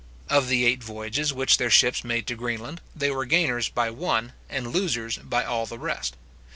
Of the eight voyages which their ships made to Greenland, they were gainers by one, and losers by all the rest.